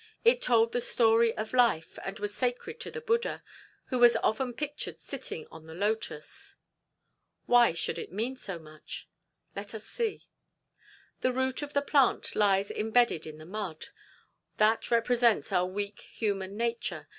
It told the story of life, and was sacred to the Buddha, who was often pictured sitting on the lotus. Why should it mean so much? Let us see. The root of the plant lies embedded in the mud. That represents our weak human nature.